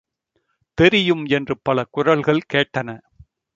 தெரியும் என்று பல குரல்கள் கேட்டன.